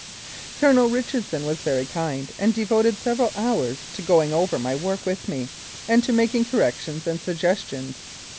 Colonel Richardson was very kind, and devoted several hours to going over my work with me and to making corrections and suggestions.